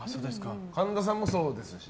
神田さんもそうですし。